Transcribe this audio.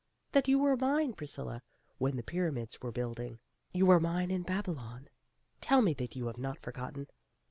You were mine, Priscilla, when the pyramids were building. You were mine in Babylon. Tell me that you have not forgotten.